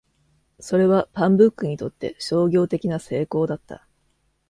それはパンブックにとって商業的な成功だった。